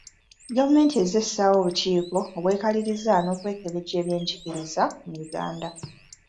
Gavumenti ezze essaawo obukiiko obwekaliriza n’okwekebejja ebyenjigiriza mu Uganda